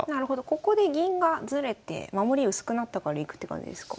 ここで銀がずれて守り薄くなったからいくって感じですか？